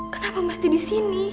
kenapa mesti di sini